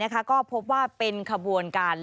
ก็พบว่าเป็นขบวนการ